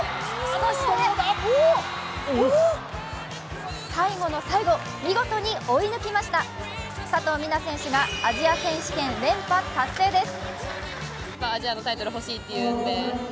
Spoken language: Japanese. そして最後の最後、見事に追い抜きました佐藤水菜選手がアジア選手権連覇達成です。